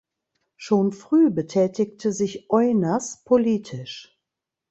Schon früh betätigte sich Oinas politisch.